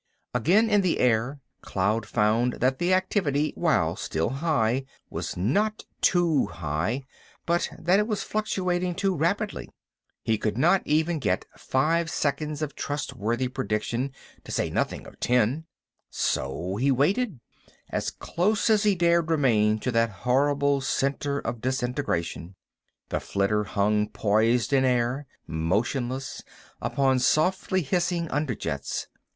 Again in air, Cloud found that the activity, while still high, was not too high, but that it was fluctuating too rapidly. He could not get even five seconds of trustworthy prediction, to say nothing of ten. So he waited, as close as he dared remain to that horrible center of disintegration. The flitter hung poised in air, motionless, upon softly hissing under jets.